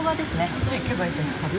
あっち行けばいいですかね。